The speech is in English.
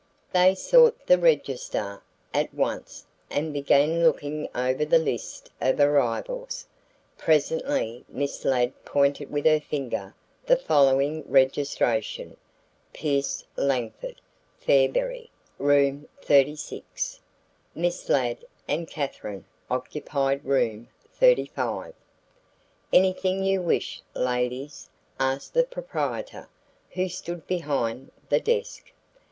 They sought the register at once and began looking over the list of arrivals. Presently Miss Ladd pointed with her finger the following registration: "Pierce Langford, Fairberry, Room 36." Miss Ladd and Katherine occupied Room 35. "Anything you wish, ladies?" asked the proprietor, who stood behind the desk.